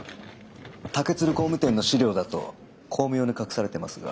竹鶴工務店の資料だと巧妙に隠されてますが。